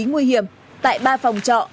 nguy hiểm tại ba phòng trọ